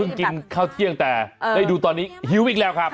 กินข้าวเที่ยงแต่ได้ดูตอนนี้หิวอีกแล้วครับ